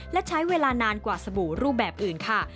และใช้เวลานานกว่าสบู่รูปแบบอื่นค่ะ